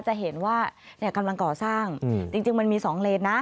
จะเห็นว่ากำลังก่อสร้างจริงมันมี๒เลนนะ